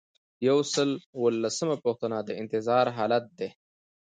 یو سل او لسمه پوښتنه د انتظار حالت دی.